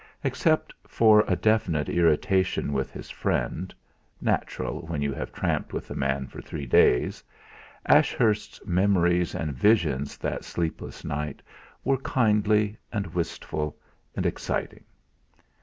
Except for a definite irritation with his friend, natural when you have tramped with a man for three days, Ashurst's memories and visions that sleepless night were kindly and wistful and exciting.